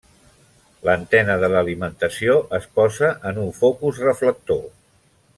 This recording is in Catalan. L'antena de l'alimentació es posa en un focus reflector.